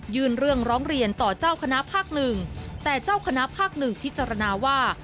เรื่องร้องเรียนต่อเจ้าคณะภาคหนึ่งแต่เจ้าคณะภาคหนึ่งพิจารณาว่า